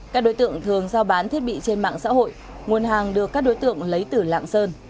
các đối tượng thường giao bán thiết bị trên mạng xã hội nguồn hàng được các đối tượng lấy từ lạng sơn